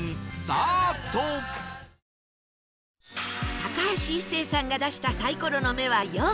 高橋一生さんが出したサイコロの目は「４」